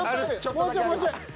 もうちょいもうちょい。